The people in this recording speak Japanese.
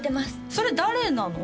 それ誰なの？